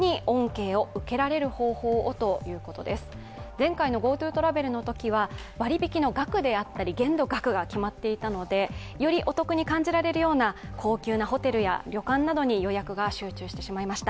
前回のＧｏＴｏトラベルのときは割引の限度額が決まっていたのでよりお得に感じられるような高級なホテルや旅館などに予約が集中してしまいました。